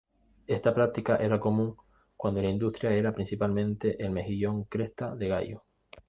Esta práctica era común cuando la industria era principalmente el Mejillón Cresta de Gallo.